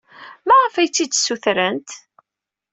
Maɣef ay tt-id-ssutrent?